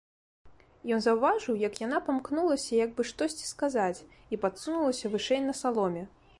Ён заўважыў, як яна памкнулася як бы штосьці сказаць і падсунулася вышэй на саломе.